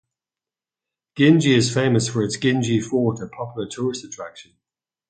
Gingee is famous for its Gingee Fort, a popular tourist attraction.